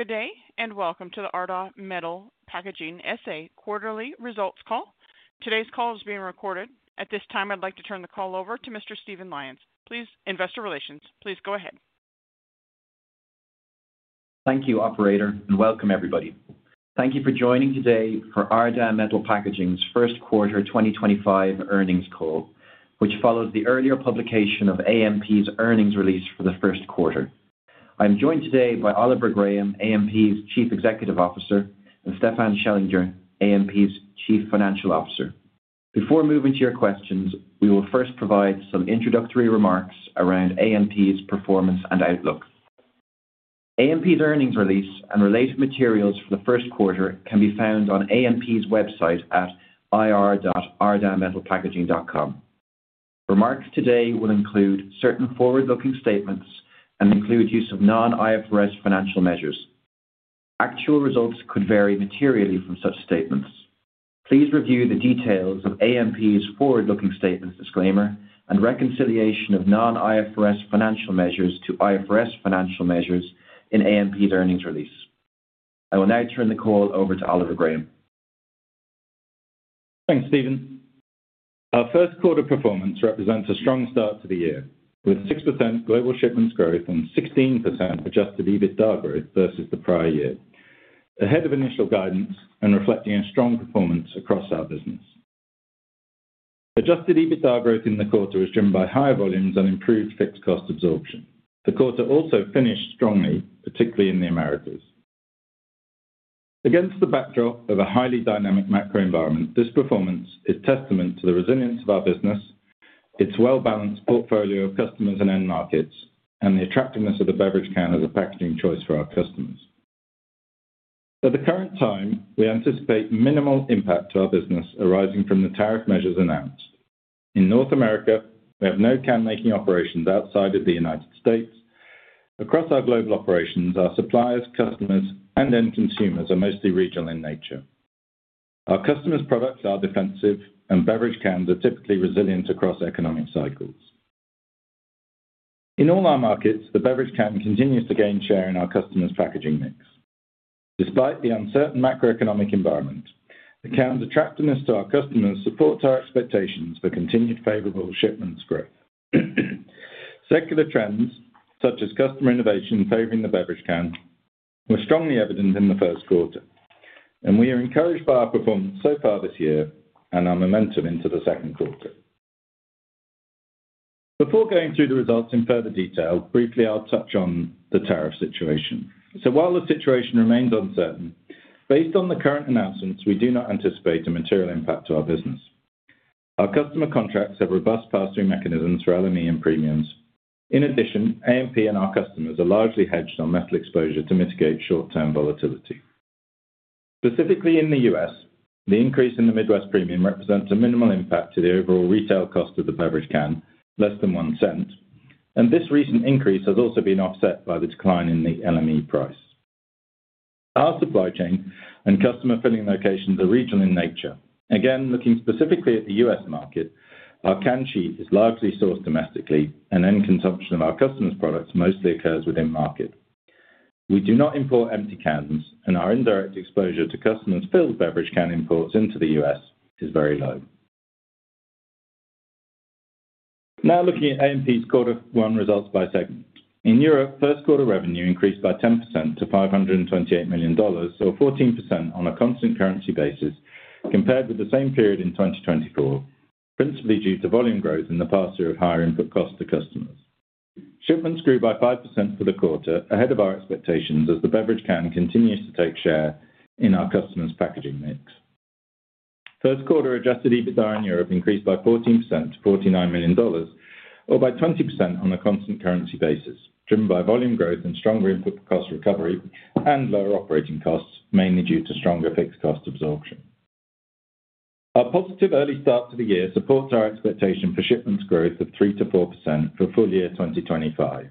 Good day and welcome to the Ardagh Metal Packaging S.A. Quarterly Results Call. Today's call is being recorded. At this time, I'd like to turn the call over to Mr. Stephen Lyons. Please, Investor Relations, please go ahead. Thank you, Operator, and welcome everybody. Thank you for joining today for Ardagh Metal Packaging's First Quarter 2025 Earnings Call, which follows the earlier publication of AMP's earnings release for the first quarter. I'm joined today by Oliver Graham, AMP's Chief Executive Officer, and Stefan Schellinger, AMP's Chief Financial Officer. Before moving to your questions, we will first provide some introductory remarks around AMP's performance and outlook. AMP's earnings release and related materials for the first quarter can be found on AMP's website at ir.ardaghmetalpackaging.com. Remarks today will include certain forward-looking statements and include use of non-IFRS financial measures. Actual results could vary materially from such statements. Please review the details of AMP's forward-looking statements disclaimer and reconciliation of non-IFRS financial measures to IFRS financial measures in AMP's earnings release. I will now turn the call over to Oliver Graham. Thanks, Stephen. Our first quarter performance represents a strong start to the year, with 6% global shipments growth and 16% adjusted EBITDA growth versus the prior year, ahead of initial guidance and reflecting a strong performance across our business. Adjusted EBITDA growth in the quarter was driven by higher volumes and improved fixed cost absorption. The quarter also finished strongly, particularly in the Americas. Against the backdrop of a highly dynamic macro environment, this performance is testament to the resilience of our business, its well-balanced portfolio of customers and end markets, and the attractiveness of the beverage can as a packaging choice for our customers. At the current time, we anticipate minimal impact to our business arising from the tariff measures announced. In North America, we have no can-making operations outside of the United States. Across our global operations, our suppliers, customers, and end consumers are mostly regional in nature. Our customers' products are defensive, and beverage cans are typically resilient across economic cycles. In all our markets, the beverage can continues to gain share in our customers' packaging mix. Despite the uncertain macroeconomic environment, the can's attractiveness to our customers supports our expectations for continued favorable shipments growth. Secular trends, such as customer innovation favoring the beverage can, were strongly evident in the first quarter, and we are encouraged by our performance so far this year and our momentum into the second quarter. Before going through the results in further detail, briefly, I'll touch on the tariff situation. While the situation remains uncertain, based on the current announcements, we do not anticipate a material impact to our business. Our customer contracts have robust pass-through mechanisms for LME and premiums. In addition, AMP and our customers are largely hedged on metal exposure to mitigate short-term volatility. Specifically, in the U.S., the increase in the Midwest Premium represents a minimal impact to the overall retail cost of the beverage can, less than one cent, and this recent increase has also been offset by the decline in the LME price. Our supply chain and customer filling locations are regional in nature. Again, looking specifically at the U.S. market, our can sheet is largely sourced domestically, and end consumption of our customers' products mostly occurs within market. We do not import empty cans, and our indirect exposure to customers' filled beverage can imports into the U.S. is very low. Now, looking at AMP's quarter one results by segment. In Europe, first quarter revenue increased by 10% to $528 million, or 14% on a constant currency basis, compared with the same period in 2024, principally due to volume growth in the past year of higher input cost to customers. Shipments grew by 5% for the quarter, ahead of our expectations as the beverage can continues to take share in our customers' packaging mix. First quarter adjusted EBITDA in Europe increased by 14% to $49 million, or by 20% on a constant currency basis, driven by volume growth and stronger input cost recovery and lower operating costs, mainly due to stronger fixed cost absorption. Our positive early start to the year supports our expectation for shipments growth of 3-4% for full year 2025.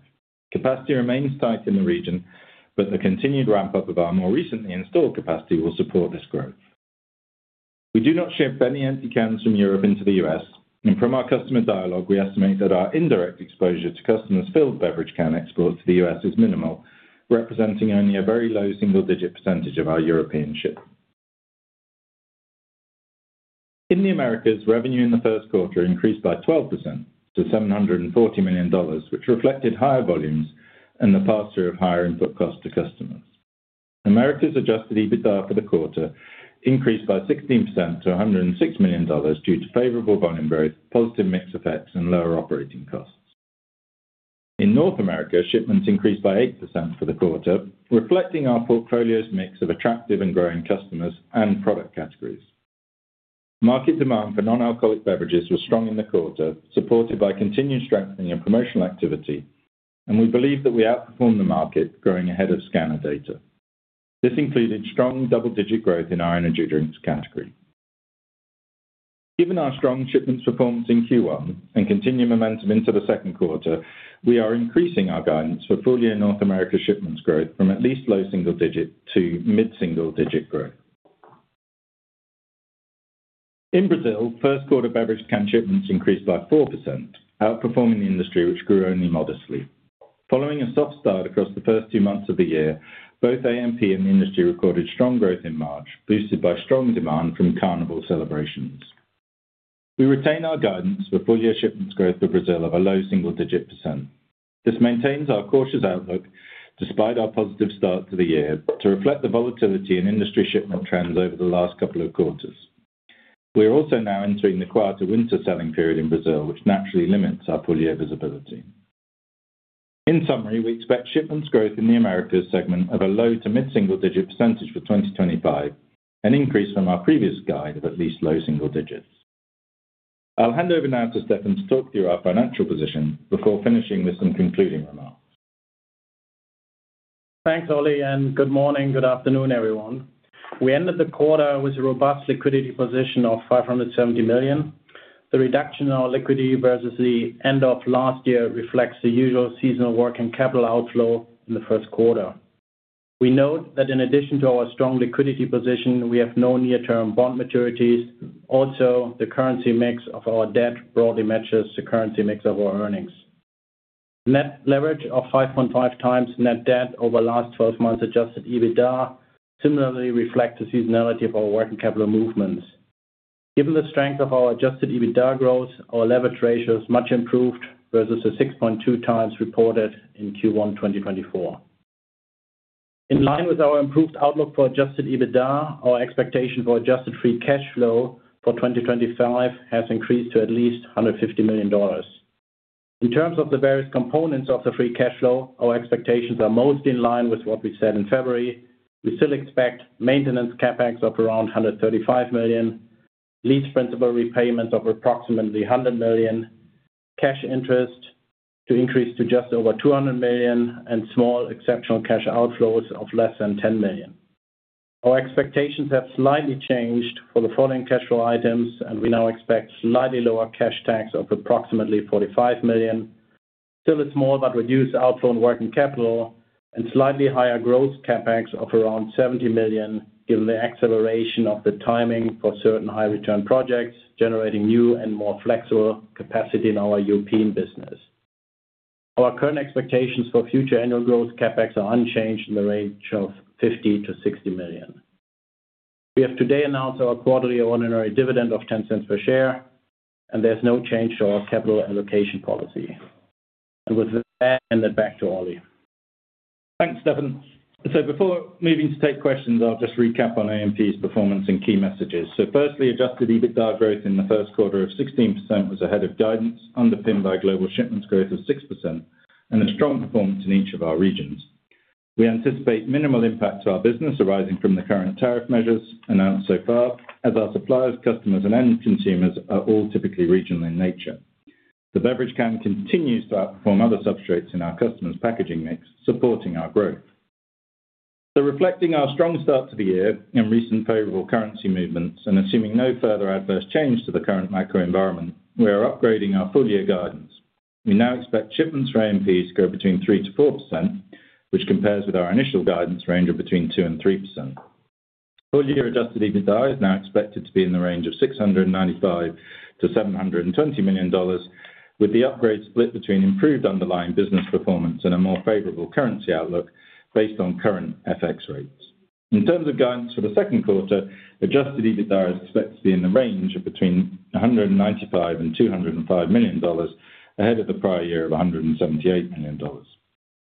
Capacity remains tight in the region, but the continued ramp-up of our more recently installed capacity will support this growth. We do not ship any empty cans from Europe into the U.S., and from our customer dialogue, we estimate that our indirect exposure to customers' filled beverage can exports to the U.S. is minimal, representing only a very low single-digit percentage of our European shipments. In the Americas, revenue in the first quarter increased by 12% to $740 million, which reflected higher volumes and the pass-through of higher input cost to customers. Americas adjusted EBITDA for the quarter increased by 16% to $106 million due to favorable volume growth, positive mix effects, and lower operating costs. In North America, shipments increased by 8% for the quarter, reflecting our portfolio's mix of attractive and growing customers and product categories. Market demand for non-alcoholic beverages was strong in the quarter, supported by continued strengthening of promotional activity, and we believe that we outperformed the market, growing ahead of scanner data. This included strong double-digit growth in our energy drinks category. Given our strong shipments performance in Q1 and continued momentum into the second quarter, we are increasing our guidance for full year North America shipments growth from at least low single-digit to mid-single-digit growth. In Brazil, first quarter beverage can shipments increased by 4%, outperforming the industry, which grew only modestly. Following a soft start across the first two months of the year, both AMP and the industry recorded strong growth in March, boosted by strong demand from Carnival celebrations. We retain our guidance for full year shipments growth for Brazil of a low single-digit percent. This maintains our cautious outlook, despite our positive start to the year, to reflect the volatility in industry shipment trends over the last couple of quarters. We are also now entering the quieter winter selling period in Brazil, which naturally limits our full year visibility. In summary, we expect shipments growth in the Americas segment of a low to mid-single-digit percentage for 2025, an increase from our previous guide of at least low single digits. I'll hand over now to Stefan to talk through our financial position before finishing with some concluding remarks. Thanks, Ollie, and good morning, good afternoon, everyone. We ended the quarter with a robust liquidity position of $570 million. The reduction in our liquidity versus the end of last year reflects the usual seasonal working capital outflow in the first quarter. We note that in addition to our strong liquidity position, we have no near-term bond maturities. Also, the currency mix of our debt broadly matches the currency mix of our earnings. Net leverage of 5.5 times net debt over the last 12 months' adjusted EBITDA similarly reflects the seasonality of our working capital movements. Given the strength of our adjusted EBITDA growth, our leverage ratio is much improved versus the 6.2 times reported in Q1 2024. In line with our improved outlook for adjusted EBITDA, our expectation for adjusted free cash flow for 2025 has increased to at least $150 million. In terms of the various components of the free cash flow, our expectations are mostly in line with what we said in February. We still expect maintenance CapEx of around $135 million, lease principal repayments of approximately $100 million, cash interest to increase to just over $200 million, and small exceptional cash outflows of less than $10 million. Our expectations have slightly changed for the following cash flow items, and we now expect slightly lower cash tax of approximately $45 million. Still a small but reduced outflow in working capital and slightly higher growth CapEx of around $70 million, given the acceleration of the timing for certain high-return projects, generating new and more flexible capacity in our European business. Our current expectations for future annual growth CapEx are unchanged in the range of $50-$60 million. We have today announced our quarterly ordinary dividend of $0.10 per share, and there is no change to our capital allocation policy. With that, I'll hand it back to Ollie. Thanks, Stefan. Before moving to take questions, I'll just recap on AMP's performance and key messages. Firstly, adjusted EBITDA growth in the first quarter of 16% was ahead of guidance, underpinned by global shipments growth of 6%, and a strong performance in each of our regions. We anticipate minimal impact to our business arising from the current tariff measures announced so far, as our suppliers, customers, and end consumers are all typically regional in nature. The beverage can continues to outperform other substrates in our customers' packaging mix, supporting our growth. Reflecting our strong start to the year and recent favorable currency movements, and assuming no further adverse change to the current macro environment, we are upgrading our full year guidance. We now expect shipments for AMP to grow between 3-4%, which compares with our initial guidance range of between 2 and 3%. Full year adjusted EBITDA is now expected to be in the range of $695-$720 million, with the upgrade split between improved underlying business performance and a more favorable currency outlook based on current FX rates. In terms of guidance for the second quarter, adjusted EBITDA is expected to be in the range of $195-$205 million, ahead of the prior year of $178 million.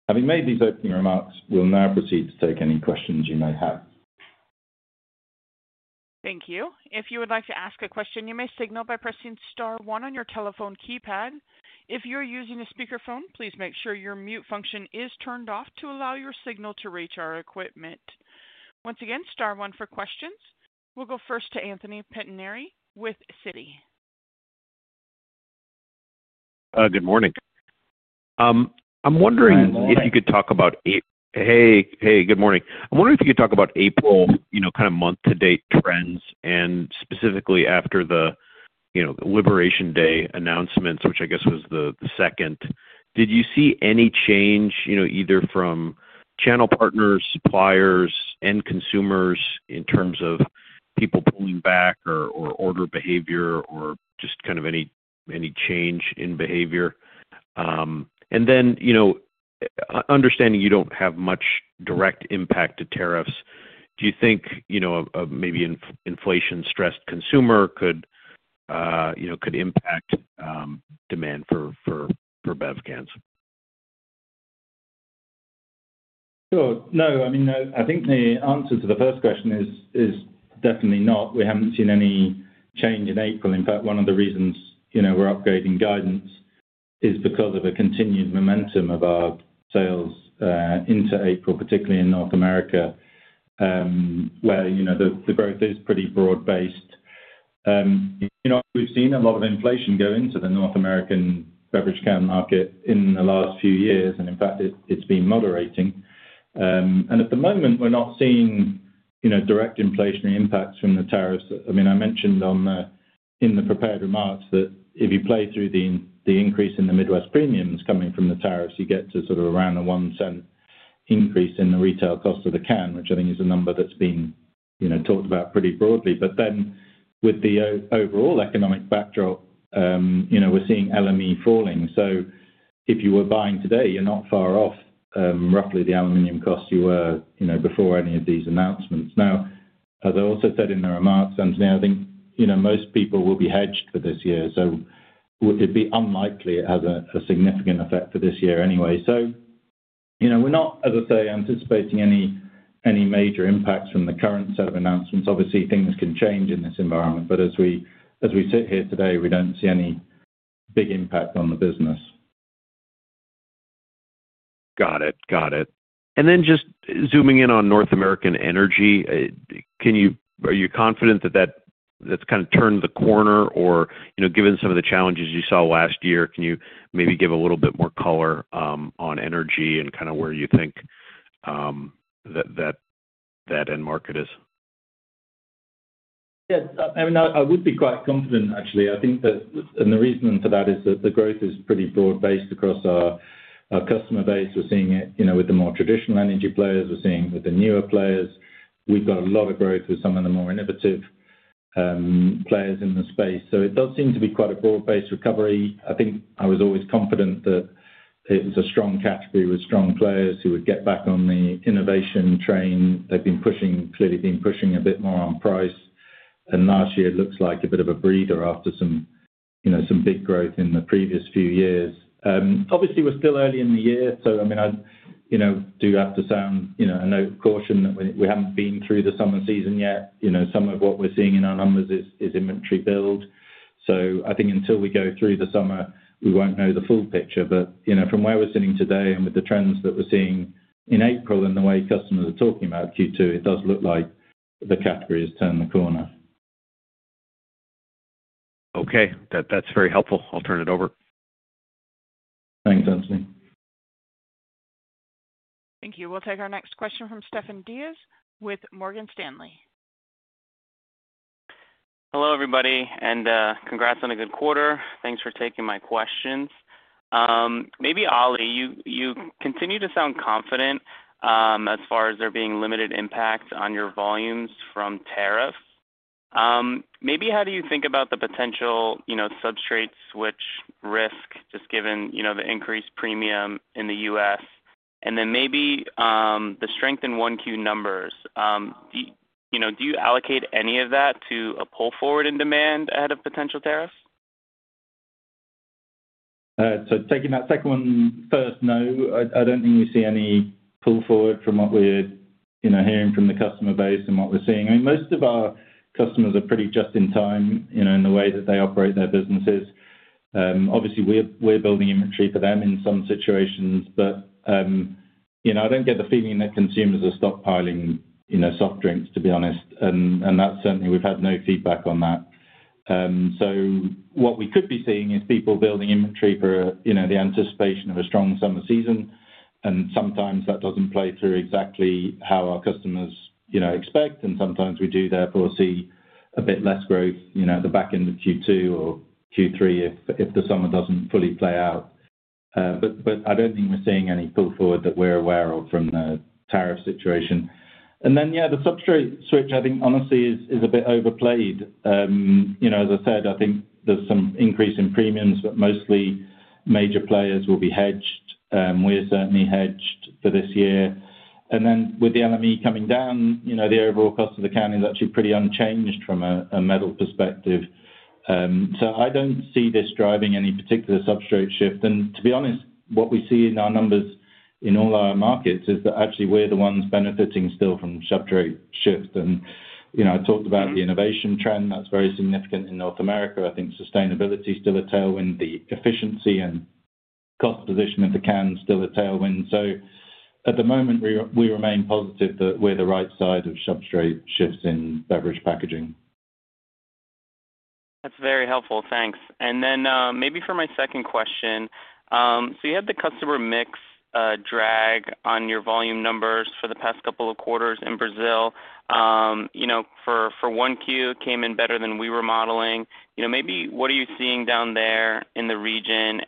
Having made these opening remarks, we'll now proceed to take any questions you may have. Thank you. If you would like to ask a question, you may signal by pressing star one on your telephone keypad. If you're using a speakerphone, please make sure your mute function is turned off to allow your signal to reach our equipment. Once again, star one for questions. We'll go first to Anthony Pettinari with Citi. Good morning. I'm wondering if you could talk about, hey, hey, good morning. I'm wondering if you could talk about April, you know, kind of month-to-date trends, and specifically after the, you know, Liberation Day announcements, which I guess was the second. Did you see any change, you know, either from channel partners, suppliers, end consumers in terms of people pulling back or order behavior or just kind of any change in behavior? And then, you know, understanding you don't have much direct impact to tariffs, do you think, you know, maybe an inflation-stressed consumer could, you know, could impact demand for beverage cans? Sure. No, I mean, I think the answer to the first question is definitely not. We haven't seen any change in April. In fact, one of the reasons, you know, we're upgrading guidance is because of a continued momentum of our sales into April, particularly in North America, where, you know, the growth is pretty broad-based. You know, we've seen a lot of inflation go into the North American beverage can market in the last few years, and in fact, it's been moderating. At the moment, we're not seeing, you know, direct inflationary impacts from the tariffs. I mean, I mentioned in the prepared remarks that if you play through the increase in the Midwest Premiums coming from the tariffs, you get to sort of around a one-cent increase in the retail cost of the can, which I think is a number that's been, you know, talked about pretty broadly. With the overall economic backdrop, you know, we're seeing LME falling. If you were buying today, you're not far off roughly the aluminum costs you were, you know, before any of these announcements. As I also said in the remarks, Anthony, I think, you know, most people will be hedged for this year, so it'd be unlikely it has a significant effect for this year anyway. You know, we're not, as I say, anticipating any major impacts from the current set of announcements. Obviously, things can change in this environment, but as we sit here today, we don't see any big impact on the business. Got it. Got it. Just zooming in on North American energy, can you—are you confident that that's kind of turned the corner? Or, you know, given some of the challenges you saw last year, can you maybe give a little bit more color on energy and kind of where you think that that end market is? Yeah. I mean, I would be quite confident, actually. I think that the reason for that is that the growth is pretty broad-based across our customer base. We're seeing it, you know, with the more traditional energy players. We're seeing it with the newer players. We've got a lot of growth with some of the more innovative players in the space. It does seem to be quite a broad-based recovery. I think I was always confident that it was a strong category with strong players who would get back on the innovation train. They've been pushing, clearly been pushing a bit more on price. Last year, it looks like a bit of a breather after some, you know, some big growth in the previous few years. Obviously, we're still early in the year, so, I mean, I, you know, do have to sound, you know, a note of caution that we haven't been through the summer season yet. You know, some of what we're seeing in our numbers is inventory build. I think until we go through the summer, we won't know the full picture. You know, from where we're sitting today and with the trends that we're seeing in April and the way customers are talking about Q2, it does look like the category has turned the corner. Okay. That's very helpful. I'll turn it over. Thanks, Anthony. Thank you. We'll take our next question from Stefan Diaz with Morgan Stanley. Hello, everybody, and congrats on a good quarter. Thanks for taking my questions. Maybe, Ollie, you continue to sound confident as far as there being limited impact on your volumes from tariffs. Maybe, how do you think about the potential, you know, substrate switch risk, just given, you know, the increased premium in the U.S.? And then maybe the strength in 1Q numbers. You know, do you allocate any of that to a pull forward in demand ahead of potential tariffs? Taking that second one first, no. I don't think we see any pull forward from what we're, you know, hearing from the customer base and what we're seeing. I mean, most of our customers are pretty just in time, you know, in the way that they operate their businesses. Obviously, we're building inventory for them in some situations, but, you know, I don't get the feeling that consumers are stockpiling, you know, soft drinks, to be honest. That's certainly—we've had no feedback on that. What we could be seeing is people building inventory for, you know, the anticipation of a strong summer season. Sometimes that doesn't play through exactly how our customers, you know, expect. Sometimes we do, therefore, see a bit less growth, you know, at the back end of Q2 or Q3 if the summer doesn't fully play out. I don't think we're seeing any pull forward that we're aware of from the tariff situation. Yeah, the substrate switch, I think, honestly, is a bit overplayed. You know, as I said, I think there's some increase in premiums, but mostly major players will be hedged. We're certainly hedged for this year. With the LME coming down, you know, the overall cost of the can is actually pretty unchanged from a metal perspective. I don't see this driving any particular substrate shift. To be honest, what we see in our numbers in all our markets is that actually we're the ones benefiting still from substrate shift. You know, I talked about the innovation trend. That's very significant in North America. I think sustainability is still a tailwind. The efficiency and cost position of the can is still a tailwind. At the moment, we remain positive that we're the right side of substrate shifts in beverage packaging. That's very helpful. Thanks. Maybe for my second question, you had the customer mix drag on your volume numbers for the past couple of quarters in Brazil. You know, for 1Q, it came in better than we were modeling. You know, maybe what are you seeing down there in the region?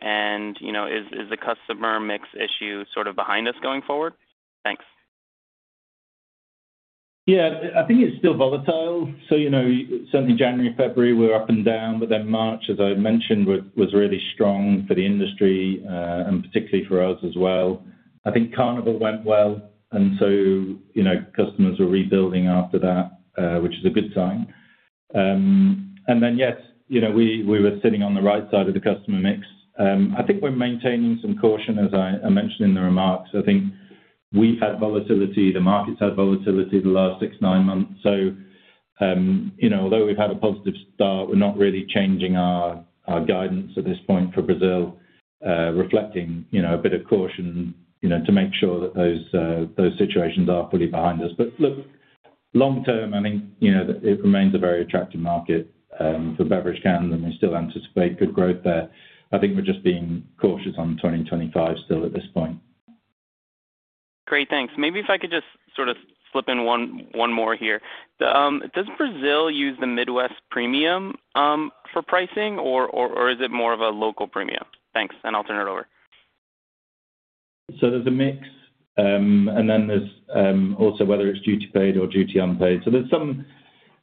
You know, is the customer mix issue sort of behind us going forward? Thanks. Yeah. I think it's still volatile. You know, certainly January, February, we were up and down, but then March, as I mentioned, was really strong for the industry and particularly for us as well. I think Carnival went well, and so, you know, customers were rebuilding after that, which is a good sign. Yes, you know, we were sitting on the right side of the customer mix. I think we're maintaining some caution, as I mentioned in the remarks. I think we've had volatility. The market's had volatility the last six, nine months. You know, although we've had a positive start, we're not really changing our guidance at this point for Brazil, reflecting, you know, a bit of caution, you know, to make sure that those situations are fully behind us. Look, long term, I think, you know, it remains a very attractive market for beverage cans, and we still anticipate good growth there. I think we're just being cautious on 2025 still at this point. Great. Thanks. Maybe if I could just sort of slip in one more here. Does Brazil use the Midwest Premium for pricing, or is it more of a local premium? Thanks. I'll turn it over. There is a mix. Then there is also whether it is duty-paid or duty-unpaid. There is some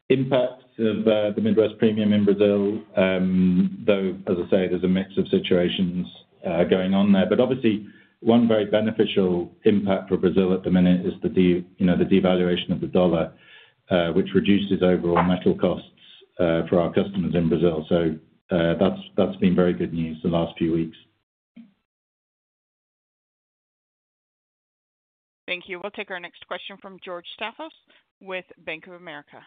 impact of the Midwest Premium in Brazil, though, as I say, there is a mix of situations going on there. Obviously, one very beneficial impact for Brazil at the minute is the devaluation of the dollar, which reduces overall metal costs for our customers in Brazil. That has been very good news the last few weeks. Thank you. We'll take our next question from George Staphos with Bank of America.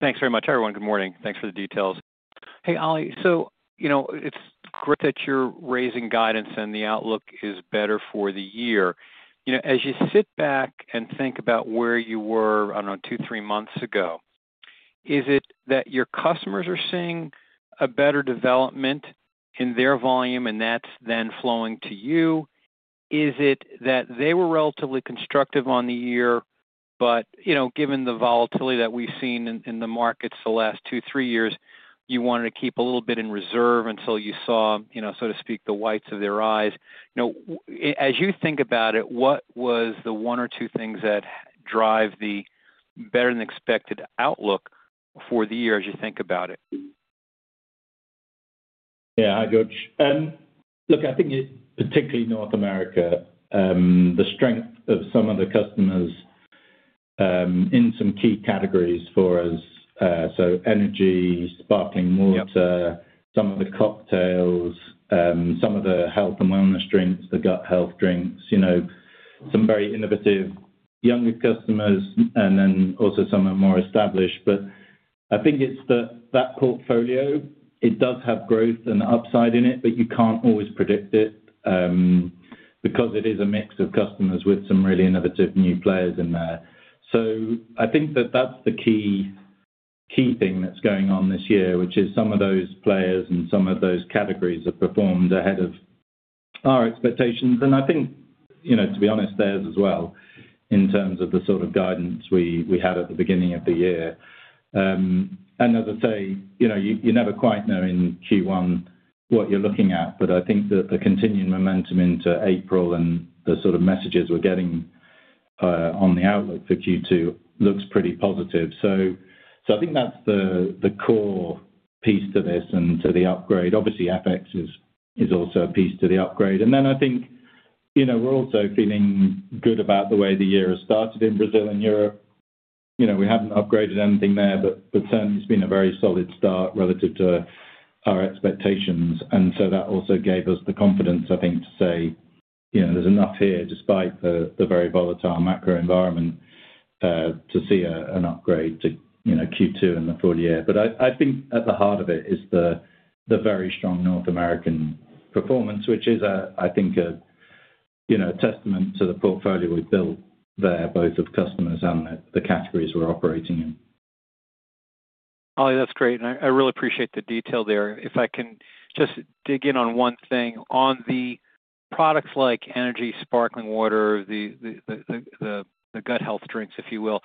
Thanks very much, everyone. Good morning. Thanks for the details. Hey, Ollie. You know, it's great that you're raising guidance and the outlook is better for the year. You know, as you sit back and think about where you were, I don't know, two, three months ago, is it that your customers are seeing a better development in their volume, and that's then flowing to you? Is it that they were relatively constructive on the year, but, you know, given the volatility that we've seen in the markets the last two, three years, you wanted to keep a little bit in reserve until you saw, you know, so to speak, the whites of their eyes? You know, as you think about it, what was the one or two things that drive the better-than-expected outlook for the year as you think about it? Yeah. Hi, George. Look, I think particularly North America, the strength of some of the customers in some key categories for us, so energy, sparkling water, some of the cocktails, some of the health and wellness drinks, the gut health drinks, you know, some very innovative younger customers, and then also some are more established. I think it is that portfolio, it does have growth and upside in it, but you can't always predict it because it is a mix of customers with some really innovative new players in there. I think that is the key thing that is going on this year, which is some of those players and some of those categories have performed ahead of our expectations. I think, you know, to be honest, theirs as well in terms of the sort of guidance we had at the beginning of the year. As I say, you know, you never quite know in Q1 what you're looking at, but I think that the continued momentum into April and the sort of messages we're getting on the outlook for Q2 looks pretty positive. I think that's the core piece to this and to the upgrade. Obviously, FX is also a piece to the upgrade. I think, you know, we're also feeling good about the way the year has started in Brazil and Europe. You know, we haven't upgraded anything there, but certainly it's been a very solid start relative to our expectations. That also gave us the confidence, I think, to say, you know, there's enough here despite the very volatile macro environment to see an upgrade to, you know, Q2 in the full year. I think at the heart of it is the very strong North American performance, which is, I think, a, you know, a testament to the portfolio we've built there, both of customers and the categories we're operating in. Ollie, that's great. I really appreciate the detail there. If I can just dig in on one thing, on the products like energy, sparkling water, the gut health drinks, if you will,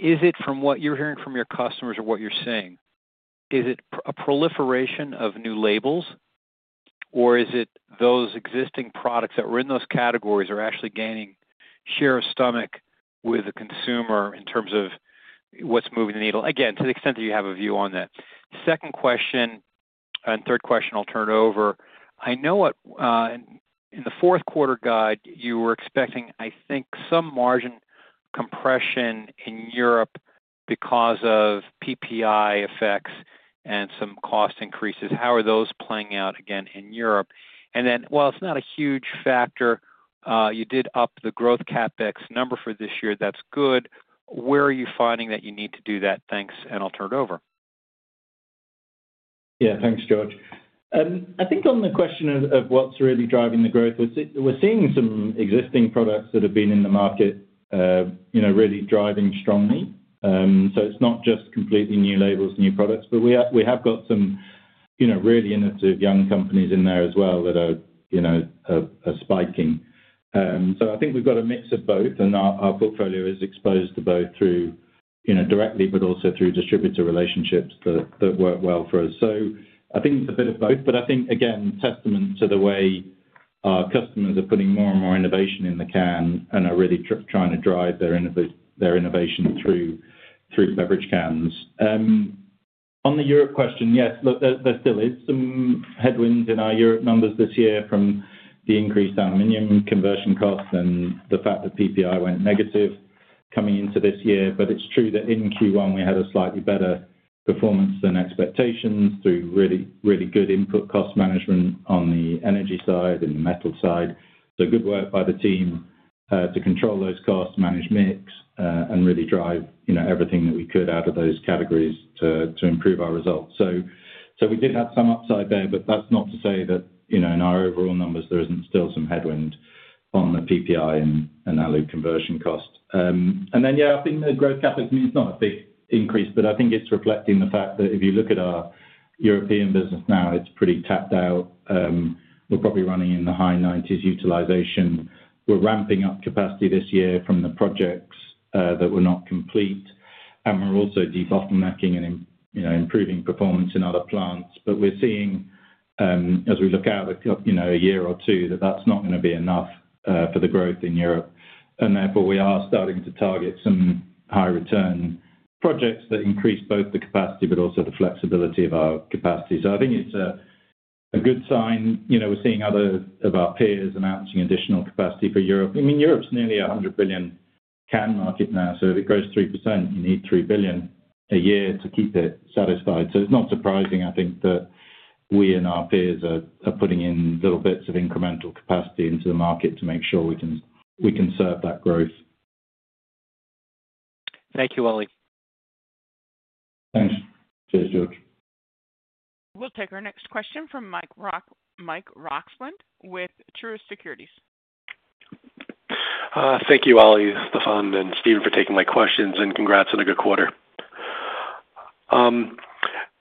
is it from what you're hearing from your customers or what you're seeing? Is it a proliferation of new labels, or is it those existing products that were in those categories are actually gaining share of stomach with the consumer in terms of what's moving the needle? Again, to the extent that you have a view on that. Second question and third question, I'll turn it over. I know in the fourth quarter guide, you were expecting, I think, some margin compression in Europe because of PPI effects and some cost increases. How are those playing out again in Europe? While it's not a huge factor, you did up the Growth CapEx number for this year. That's good. Where are you finding that you need to do that? Thanks. I'll turn it over. Yeah. Thanks, George. I think on the question of what's really driving the growth, we're seeing some existing products that have been in the market, you know, really driving strongly. It's not just completely new labels, new products, but we have got some, you know, really innovative young companies in there as well that are, you know, spiking. I think we've got a mix of both, and our portfolio is exposed to both through, you know, directly, but also through distributor relationships that work well for us. I think it's a bit of both, but I think, again, testament to the way our customers are putting more and more innovation in the can and are really trying to drive their innovation through beverage cans. On the Europe question, yes, look, there still is some headwinds in our Europe numbers this year from the increased aluminum conversion costs and the fact that PPI went negative coming into this year. It is true that in Q1, we had a slightly better performance than expectations through really, really good input cost management on the energy side and the metal side. Good work by the team to control those costs, manage mix, and really drive, you know, everything that we could out of those categories to improve our results. We did have some upside there, but that is not to say that, you know, in our overall numbers, there is not still some headwind on the PPI and alu conversion cost. Yeah, I think the growth CapEx means not a big increase, but I think it's reflecting the fact that if you look at our European business now, it's pretty tapped out. We're probably running in the high 90s utilization. We're ramping up capacity this year from the projects that were not complete. We're also de-bottlenecking and improving performance in other plants. We're seeing, as we look out, you know, a year or two, that that's not going to be enough for the growth in Europe. Therefore, we are starting to target some high-return projects that increase both the capacity but also the flexibility of our capacity. I think it's a good sign. You know, we're seeing other of our peers announcing additional capacity for Europe. I mean, Europe's nearly a 100 billion can market now. If it grows 3%, you need 3 billion a year to keep it satisfied. It is not surprising, I think, that we and our peers are putting in little bits of incremental capacity into the market to make sure we can serve that growth. Thank you, Ollie. Thanks. Cheers, George. We'll take our next question from Mike Roxland with Truist Securities. Thank you, Ollie, Stefan, and Stephen for taking my questions. And congrats on a good quarter.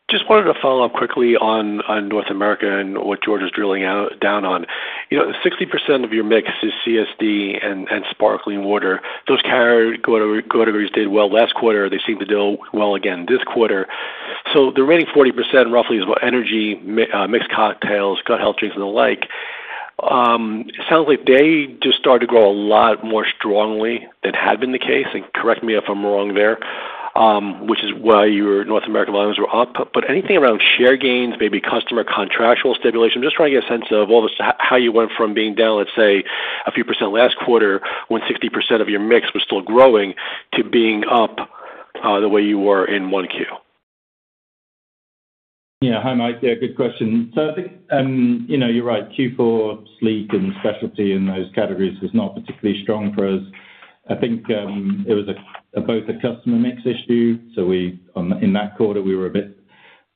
Just wanted to follow up quickly on North America and what George is drilling down on. You know, 60% of your mix is CSD and sparkling water. Those categories did well last quarter. They seem to do well again this quarter. So, the remaining 40% roughly is what, energy, mixed cocktails, gut health drinks, and the like. It sounds like they just started to grow a lot more strongly than had been the case. And correct me if I'm wrong there, which is why your North America volumes were up. But anything around share gains, maybe customer contractual stimulation? I'm just trying to get a sense of how you went from being down, let's say, a few percent last quarter, when 60% of your mix was still growing, to being up the way you were in 1Q. Yeah. Hi, Mike. Yeah. Good question. I think, you know, you're right. Q4 Sleek and specialty in those categories was not particularly strong for us. I think it was both a customer mix issue. In that quarter, we were a bit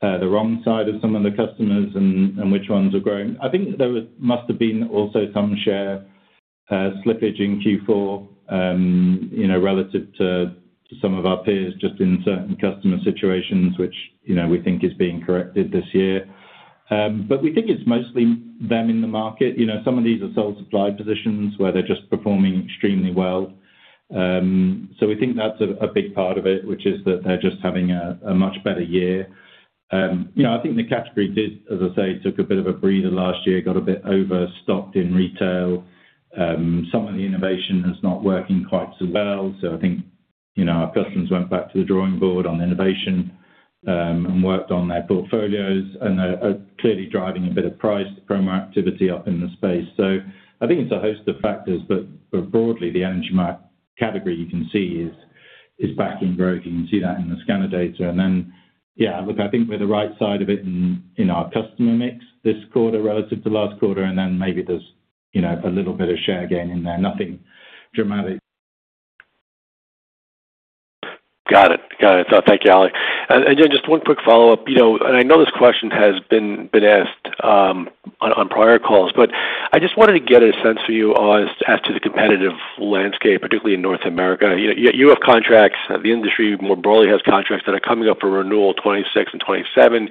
the wrong side of some of the customers and which ones were growing. I think there must have been also some share slippage in Q4, you know, relative to some of our peers just in certain customer situations, which, you know, we think is being corrected this year. We think it's mostly them in the market. You know, some of these are sole supply positions where they're just performing extremely well. We think that's a big part of it, which is that they're just having a much better year. You know, I think the category did, as I say, took a bit of a breather last year, got a bit overstocked in retail. Some of the innovation is not working quite so well. I think, you know, our customers went back to the drawing board on innovation and worked on their portfolios and are clearly driving a bit of price promo activity up in the space. I think it's a host of factors, but broadly, the energy market category you can see is back in growth. You can see that in the scanner data. Yeah, look, I think we're the right side of it in our customer mix this quarter relative to last quarter. Maybe there's, you know, a little bit of share gain in there. Nothing dramatic. Got it. Got it. Thank you, Ollie. Just one quick follow-up. You know, I know this question has been asked on prior calls, but I just wanted to get a sense for you as to the competitive landscape, particularly in North America. You have contracts. The industry more broadly has contracts that are coming up for renewal 2026 and 2027.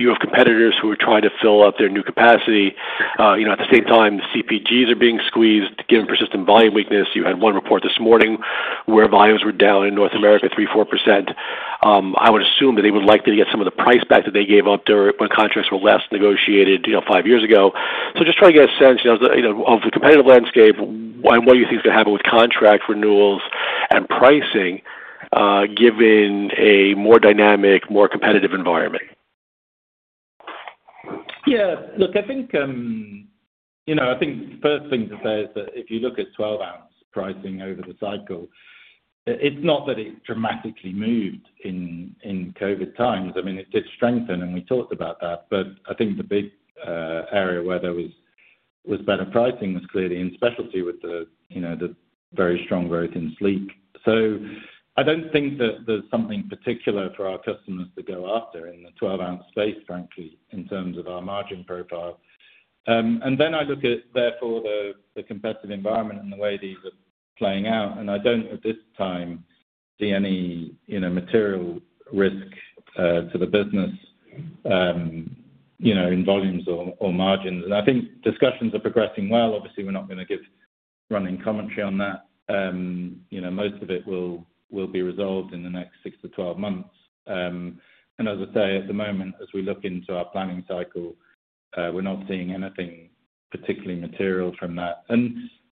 You have competitors who are trying to fill up their new capacity. You know, at the same time, CPGs are being squeezed given persistent volume weakness. You had one report this morning where volumes were down in North America 3%-4%. I would assume that they would likely get some of the price back that they gave up when contracts were less negotiated, you know, five years ago. Just trying to get a sense, you know, of the competitive landscape and what do you think is going to happen with contract renewals and pricing given a more dynamic, more competitive environment? Yeah. Look, I think, you know, I think the first thing to say is that if you look at 12-ounce pricing over the cycle, it's not that it dramatically moved in COVID times. I mean, it did strengthen, and we talked about that. I think the big area where there was better pricing was clearly in specialty with the, you know, the very strong growth in Sleek. I don't think that there's something particular for our customers to go after in the 12-ounce space, frankly, in terms of our margin profile. I look at, therefore, the competitive environment and the way these are playing out. I don't at this time see any, you know, material risk to the business, you know, in volumes or margins. I think discussions are progressing well. Obviously, we're not going to give running commentary on that. You know, most of it will be resolved in the next 6 to 12 months. As I say, at the moment, as we look into our planning cycle, we're not seeing anything particularly material from that.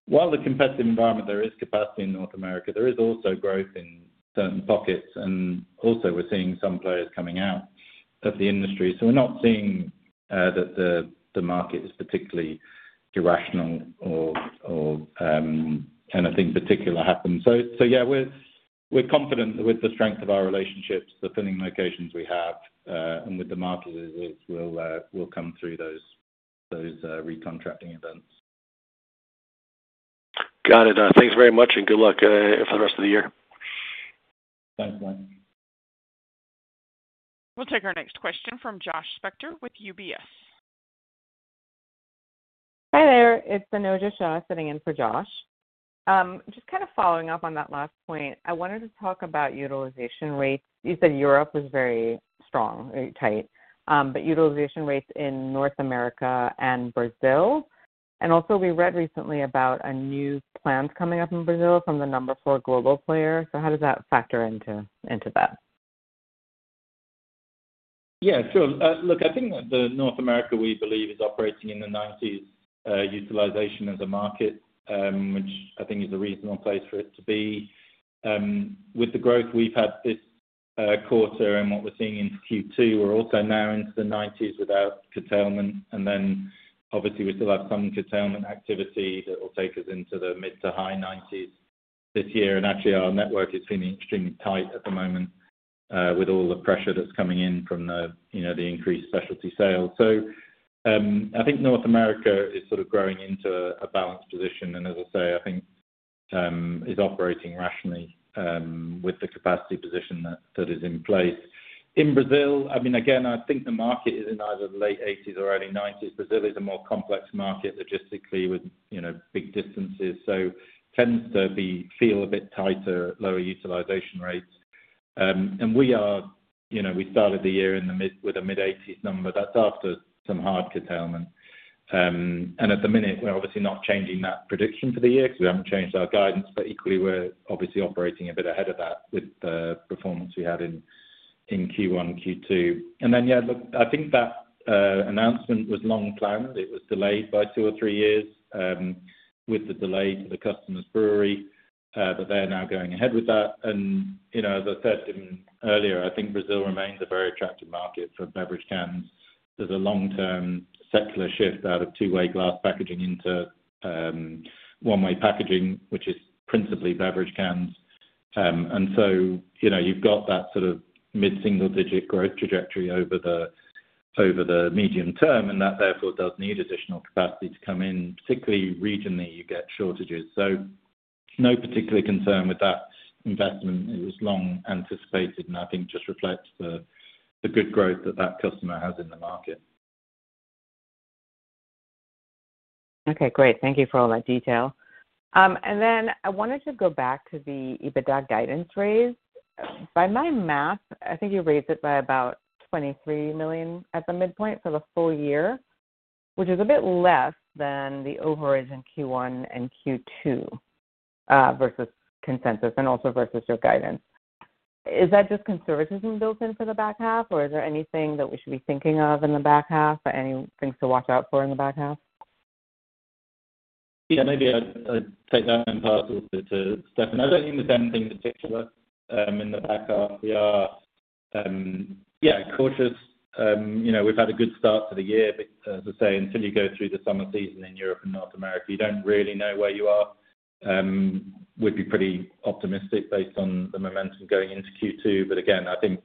While the competitive environment, there is capacity in North America, there is also growth in certain pockets. Also, we're seeing some players coming out of the industry. We're not seeing that the market is particularly irrational or anything particular happen. Yeah, we're confident that with the strength of our relationships, the filling locations we have, and with the market, we'll come through those recontracting events. Got it. Thanks very much, and good luck for the rest of the year. Thanks, Mike. We'll take our next question from Josh Spector with UBS. Hi there. It's Anojja Shah sitting in for Josh. Just kind of following up on that last point, I wanted to talk about utilization rates. You said Europe was very strong, very tight, but utilization rates in North America and Brazil. Also, we read recently about a new plan coming up in Brazil from the number four global player. How does that factor into that? Yeah. Sure. Look, I think that the North America we believe is operating in the 90s utilization as a market, which I think is a reasonable place for it to be. With the growth we've had this quarter and what we're seeing in Q2, we're also now into the 90s without curtailment. Obviously, we still have some curtailment activity that will take us into the mid to high 90s this year. Actually, our network is feeling extremely tight at the moment with all the pressure that's coming in from the, you know, the increased specialty sales. I think North America is sort of growing into a balanced position. As I say, I think it's operating rationally with the capacity position that is in place. In Brazil, I mean, again, I think the market is in either the late 80s or early 90s. Brazil is a more complex market logistically with, you know, big distances. It tends to feel a bit tighter, lower utilization rates. We are, you know, we started the year with a mid 80s number. That's after some hard curtailment. At the minute, we're obviously not changing that prediction for the year because we haven't changed our guidance. Equally, we're obviously operating a bit ahead of that with the performance we had in Q1, Q2. Yeah, look, I think that announcement was long planned. It was delayed by two or three years with the delay to the customers' brewery, but they're now going ahead with that. You know, as I said earlier, I think Brazil remains a very attractive market for beverage cans. There's a long-term secular shift out of two-way glass packaging into one-way packaging, which is principally beverage cans. You know, you have got that sort of mid-single-digit growth trajectory over the medium term, and that therefore does need additional capacity to come in. Particularly regionally, you get shortages. No particular concern with that investment. It was long anticipated, and I think just reflects the good growth that that customer has in the market. Okay. Great. Thank you for all that detail. I wanted to go back to the EBITDA guidance raise. By my math, I think you raised it by about $23 million at the midpoint for the full year, which is a bit less than the overrides in Q1 and Q2 versus consensus and also versus your guidance. Is that just conservatism built in for the back half, or is there anything that we should be thinking of in the back half, any things to watch out for in the back half? Yeah. Maybe I take that in part a little bit to Stefan. I don't mean the same thing in particular in the back half. We are, yeah, cautious. You know, we've had a good start to the year. As I say, until you go through the summer season in Europe and North America, you don't really know where you are. We'd be pretty optimistic based on the momentum going into Q2. I think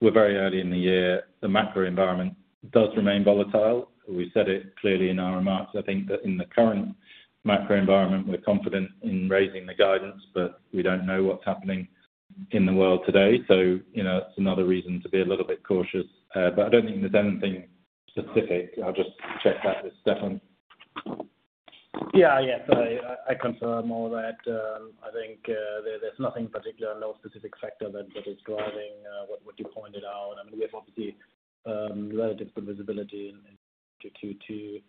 we're very early in the year. The macro environment does remain volatile. We said it clearly in our remarks. I think that in the current macro environment, we're confident in raising the guidance, but we don't know what's happening in the world today. You know, it's another reason to be a little bit cautious. I don't think there's anything specific. I'll just check that with Stefan. Yeah. Yes. I confirm all that. I think there's nothing particular, no specific factor that is driving what you pointed out. I mean, we have obviously relatively good visibility in Q2, Q2.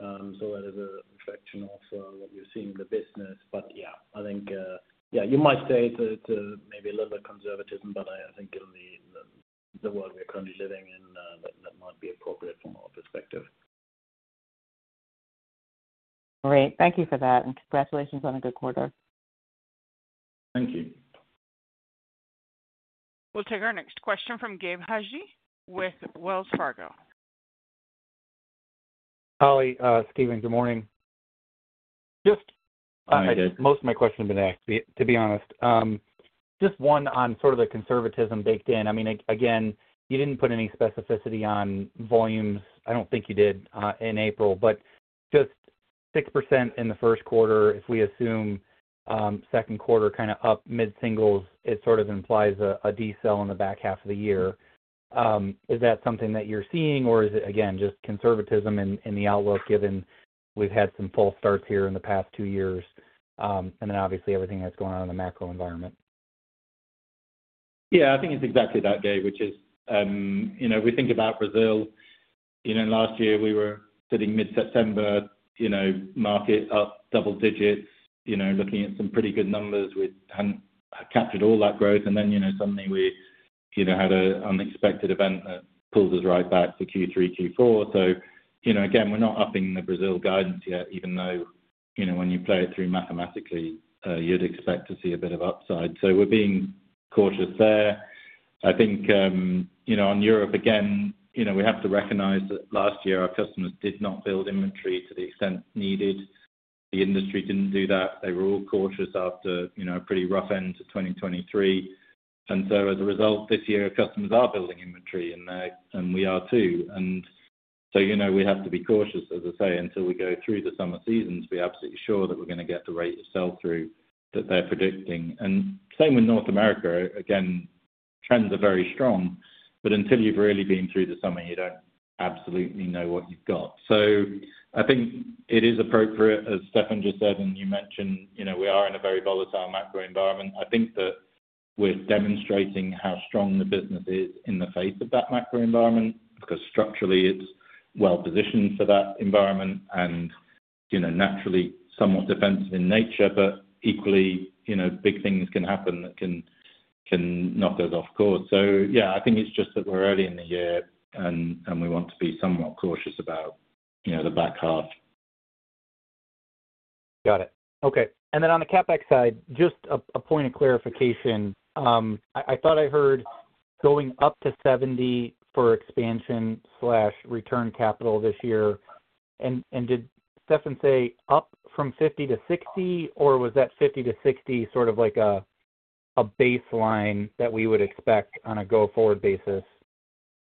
That is a reflection of what we're seeing in the business. Yeah, I think, yeah, you might say it's maybe a little bit conservatism, but I think in the world we're currently living in, that might be appropriate from our perspective. Great. Thank you for that. Congratulations on a good quarter. Thank you. We'll take our next question from Gabe Hajde with Wells Fargo. Hi, Steven. Good morning. Just most of my questions have been asked, to be honest. Just one on sort of the conservatism baked in. I mean, again, you did not put any specificity on volumes. I do not think you did in April. But just 6% in the first quarter, if we assume second quarter kind of up mid-singles, it sort of implies a decel in the back half of the year. Is that something that you are seeing, or is it, again, just conservatism in the outlook given we have had some false starts here in the past two years? Obviously everything that is going on in the macro environment. Yeah. I think it's exactly that, Gabe, which is, you know, we think about Brazil. You know, last year we were sitting mid-September, you know, market up double digits, you know, looking at some pretty good numbers. We hadn't captured all that growth. And then, you know, suddenly we, you know, had an unexpected event that pulled us right back to Q3, Q4. You know, again, we're not upping the Brazil guidance yet, even though, you know, when you play it through mathematically, you'd expect to see a bit of upside. We're being cautious there. I think, you know, on Europe again, you know, we have to recognize that last year our customers did not build inventory to the extent needed. The industry didn't do that. They were all cautious after, you know, a pretty rough end to 2023. As a result, this year customers are building inventory, and we are too. You know, we have to be cautious, as I say, until we go through the summer seasons. We are absolutely sure that we are going to get the rate of sell-through that they are predicting. Same with North America. Again, trends are very strong. Until you have really been through the summer, you do not absolutely know what you have got. I think it is appropriate, as Stefan just said, and you mentioned, you know, we are in a very volatile macro environment. I think that we are demonstrating how strong the business is in the face of that macro environment because structurally it is well positioned for that environment and, you know, naturally somewhat defensive in nature. Equally, you know, big things can happen that can knock us off course. Yeah, I think it's just that we're early in the year and we want to be somewhat cautious about, you know, the back half. Got it. Okay. On the CapEx side, just a point of clarification. I thought I heard going up to $70 million for expansion/return capital this year. Did Stefan say up from $50 million-$60 million, or was that $50 million-$60 million sort of like a baseline that we would expect on a go-forward basis?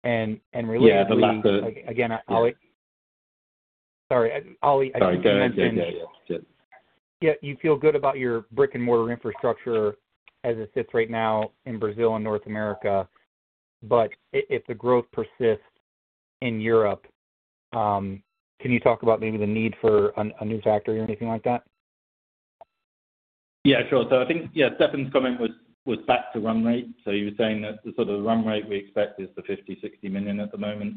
Really. Yeah. The last. Again, Ollie. Sorry. Ollie, I think you mentioned. Sorry. Go ahead. Yeah. Yeah. You feel good about your brick-and-mortar infrastructure as it sits right now in Brazil and North America. If the growth persists in Europe, can you talk about maybe the need for a new factory or anything like that? Yeah. Sure. I think, yeah, Stefan's comment was back to run rate. He was saying that the sort of run rate we expect is the $50 million-$60 million at the moment,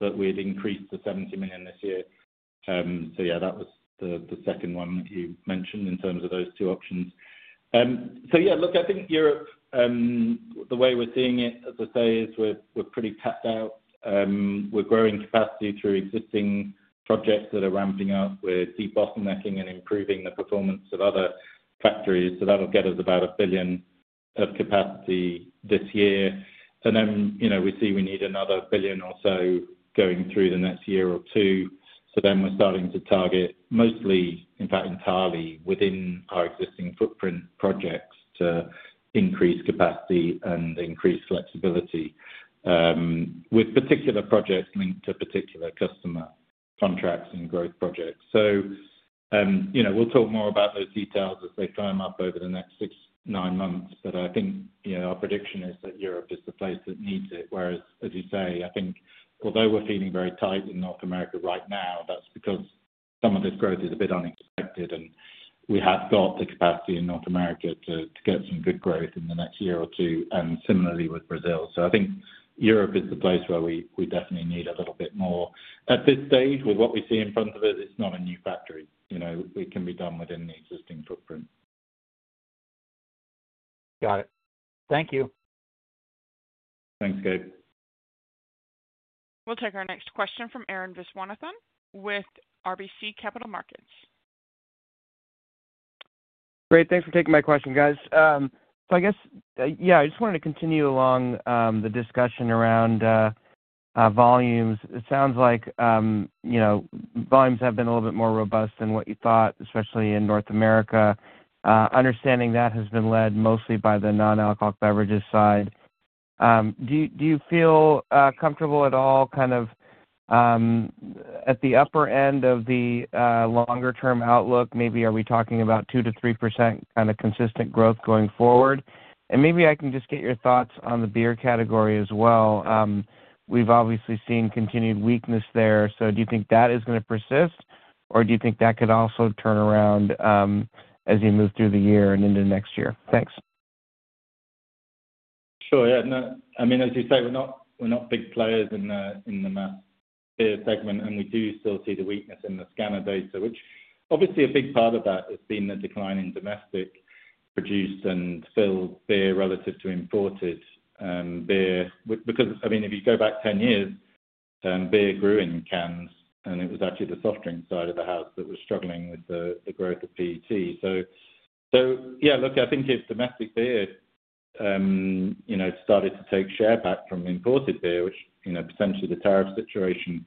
but we'd increase to $70 million this year. That was the second one that you mentioned in terms of those two options. Yeah, look, I think Europe, the way we're seeing it, as I say, is we're pretty tapped out. We're growing capacity through existing projects that are ramping up. We're de-bottlenecking and improving the performance of other factories. That'll get us about 1 billion of capacity this year. You know, we see we need another 1 billion or so going through the next year or two. We're starting to target mostly, in fact, entirely within our existing footprint projects to increase capacity and increase flexibility with particular projects linked to particular customer contracts and growth projects. You know, we'll talk more about those details as they firm up over the next six, nine months. I think, you know, our prediction is that Europe is the place that needs it. Whereas, as you say, I think although we're feeling very tight in North America right now, that's because some of this growth is a bit unexpected. We have got the capacity in North America to get some good growth in the next year or two. Similarly with Brazil. I think Europe is the place where we definitely need a little bit more. At this stage, with what we see in front of us, it's not a new factory. You know, it can be done within the existing footprint. Got it. Thank you. Thanks, Gabe. We'll take our next question from Arun Viswanathan with RBC Capital Markets. Great. Thanks for taking my question, guys. I guess, yeah, I just wanted to continue along the discussion around volumes. It sounds like, you know, volumes have been a little bit more robust than what you thought, especially in North America. Understanding that has been led mostly by the non-alcoholic beverages side. Do you feel comfortable at all kind of at the upper end of the longer-term outlook? Maybe are we talking about 2-3% kind of consistent growth going forward? Maybe I can just get your thoughts on the beer category as well. We've obviously seen continued weakness there. Do you think that is going to persist, or do you think that could also turn around as you move through the year and into next year? Thanks. Sure. Yeah. I mean, as you say, we're not big players in the mass beer segment. We do still see the weakness in the scanner data, which obviously a big part of that has been the decline in domestic produced and filled beer relative to imported beer. Because, I mean, if you go back 10 years, beer grew in cans, and it was actually the soft drink side of the house that was struggling with the growth of PET. Yeah, look, I think if domestic beer, you know, started to take share back from imported beer, which, you know, potentially the tariff situation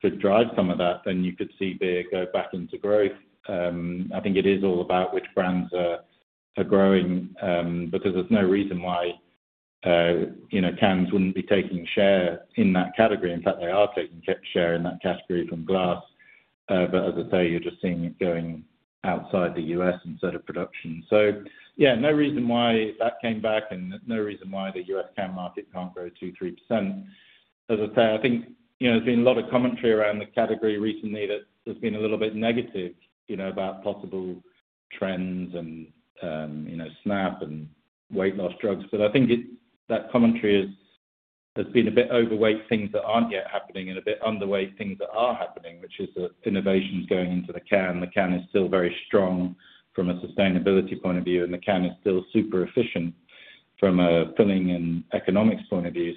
could drive some of that, you could see beer go back into growth. I think it is all about which brands are growing because there's no reason why, you know, cans wouldn't be taking share in that category. In fact, they are taking share in that category from glass. As I say, you're just seeing it going outside the U.S. instead of production. Yeah, no reason why that came back and no reason why the U.S. can market can't grow 2-3%. As I say, I think, you know, there's been a lot of commentary around the category recently that has been a little bit negative, you know, about possible trends and, you know, SNAP and weight loss drugs. I think that commentary has been a bit overweight things that aren't yet happening and a bit underweight things that are happening, which is innovations going into the can. The can is still very strong from a sustainability point of view, and the can is still super efficient from a filling and economics point of view.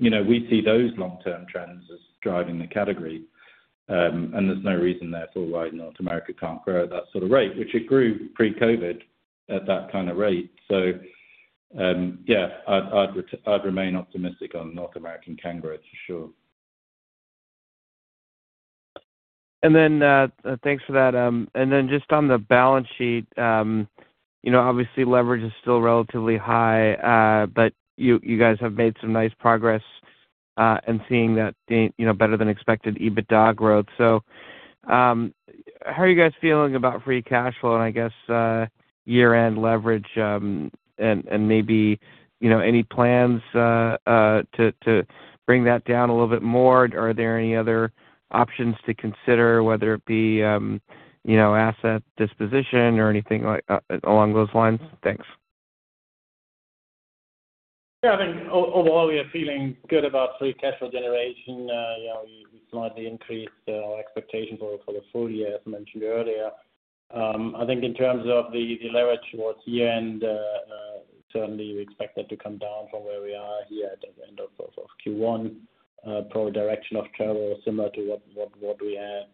You know, we see those long-term trends as driving the category. There is no reason therefore why North America cannot grow at that sort of rate, which it grew pre-COVID at that kind of rate. Yeah, I would remain optimistic on North American can growth for sure. Thanks for that. Just on the balance sheet, you know, obviously leverage is still relatively high, but you guys have made some nice progress in seeing that, you know, better than expected EBITDA growth. How are you guys feeling about free cash flow and I guess year-end leverage and maybe, you know, any plans to bring that down a little bit more? Are there any other options to consider, whether it be, you know, asset disposition or anything along those lines? Thanks. Yeah. I think overall we are feeling good about free cash flow generation. You know, we've slightly increased our expectations for the full year, as I mentioned earlier. I think in terms of the leverage towards year-end, certainly we expect that to come down from where we are here at the end of Q1, probably direction of travel similar to what we had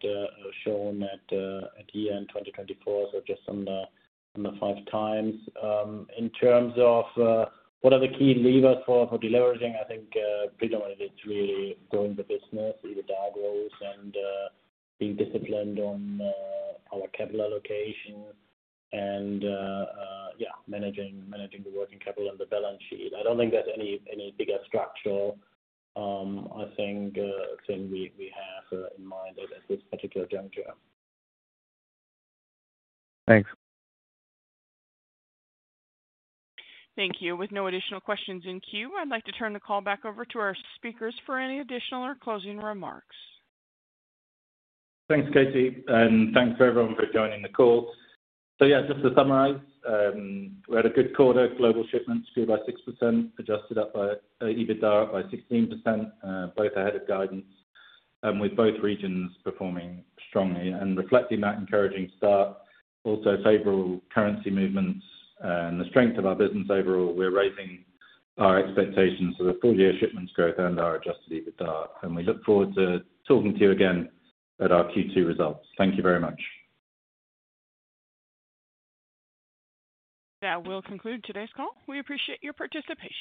shown at year-end 2024. Just under five times. In terms of what are the key levers for deleveraging, I think predominantly it's really growing the business, EBITDA growth, and being disciplined on our capital allocation. Yeah, managing the working capital and the balance sheet. I don't think there's any bigger structural, I think, thing we have in mind at this particular juncture. Thanks. Thank you. With no additional questions in queue, I'd like to turn the call back over to our speakers for any additional or closing remarks. Thanks, Katie. Thanks for everyone for joining the call. Just to summarize, we had a good quarter, global shipments up by 6%, adjusted EBITDA up by 16%, both ahead of guidance. With both regions performing strongly and reflecting that encouraging start, also favorable currency movements and the strength of our business overall, we're raising our expectations for the full year shipments growth and our adjusted EBITDA. We look forward to talking to you again at our Q2 results. Thank you very much. That will conclude today's call. We appreciate your participation.